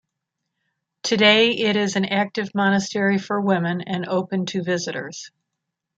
Today it is an active monastery for women, and open to visitors.